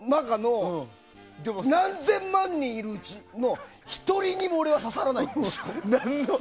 何千万人いるうちの１人にも俺は刺さらない。